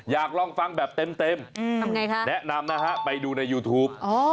อยากลองฟังแบบเต็มทำไงคะแนะนำนะฮะไปดูในยูทูป